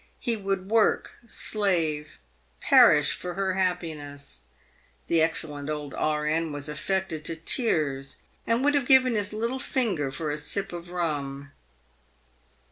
He would work, slave, perish for her happiness. The excellent old E.N. was affected to tears, and would have given his little finger for a sip of rum.